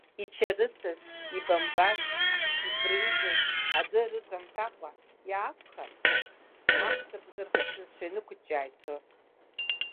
Ичарыцыз, ибамбаз, ибрынџьыз аӡы рыҵамҭәакәа иаақәхар, амцабз рхысызшәа инықәыҷҷаа ицоит.